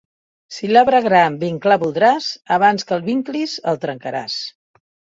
Si l'arbre gran vinclar voldràs, abans que el vinclis el trencaràs.